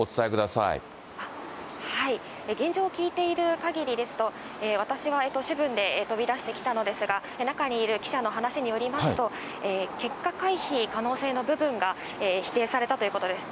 現状聞いているかぎりですと、私は主文で飛び出してきたのですが、中にいる記者の話によりますと、結果回避可能性の部分が否定されたということです。